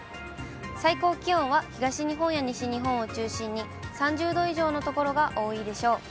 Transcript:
最高気温は、東日本や西日本を中心に３０度以上の所が多いでしょう。